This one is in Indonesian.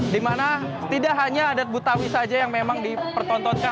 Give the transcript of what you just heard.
dimana tidak hanya adat butawi saja yang memang dipertontonkan